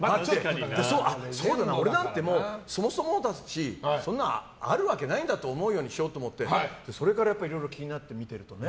俺なんてそもそもだしそんなあるわけないんだと思うようにしようと思ってそれから、いろいろ気になって。